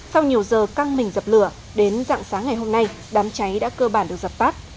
sau nhiều giờ căng mình dập lửa đến dạng sáng ngày hôm nay đám cháy đã cơ bản được dập tắt